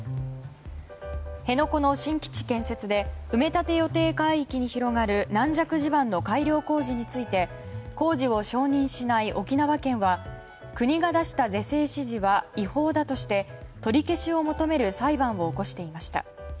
辺野古の新基地建設で埋め立て予定海域に広がる軟弱地盤の改良工事について工事を承認しない沖縄県は国が出した是正指示は違法だとして取り消しを求める裁判を起こしていました。